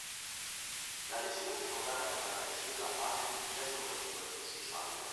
L'adhesió és causada per l'atracció de la fase líquida sobre la superfície sòlida.